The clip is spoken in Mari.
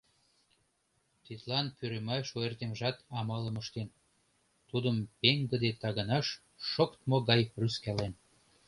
Тидлан пӱрымаш ойыртемжат амалым ыштен: тудым пеҥгыде тагынаш шоктмо гай рӱзкален.